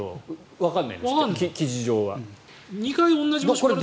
わからないです。